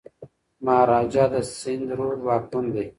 مهاراجا د سند رود واکمن دی.